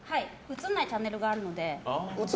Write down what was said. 映んないチャンネルがあるので。